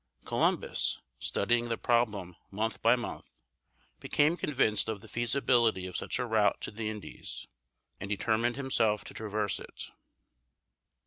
Columbus, studying the problem month by month, became convinced of the feasibility of such a route to the Indies, and determined himself to traverse it.